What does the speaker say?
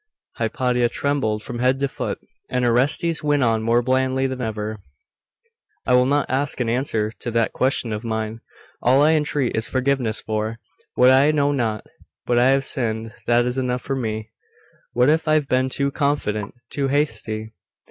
Hypatia trembled from head to foot, and Orestes went on more blandly than ever. 'I will not ask an answer to that question of mine. All I entreat is forgiveness for what for I know not: but I have sinned, and that is enough for me. What if I have been too confident too hasty?